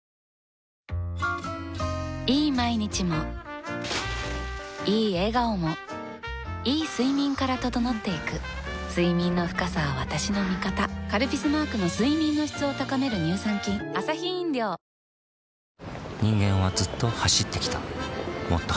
いい毎日もいい笑顔もいい睡眠から整っていく睡眠の深さは私の味方「カルピス」マークの睡眠の質を高める乳酸菌前回ロイヤル・リバプールを制したローリー・マキロイ。